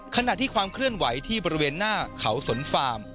ขณะที่ความเคลื่อนไหวที่บริเวณหน้าเขาสนฟาร์ม